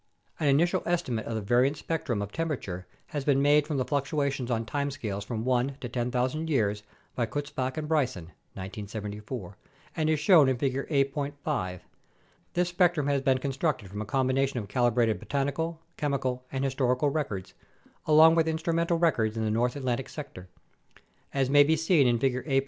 An initial estimate of the variance spectrum of temperature has been made from the fluctuations on time scales from 1 to 10,000 years by Kutzbach and Bryson (1974) and is shown in Figure A. 5. This spectrum has been constructed from a combination of calibrated botanical, chemi cal, and historical records, along with instrumental records in the North Atlantic sector. As may be seen in Figure A.